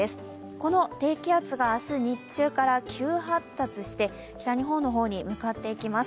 この低気圧が明日、日中から急発達して北日本の方に向かっていきます。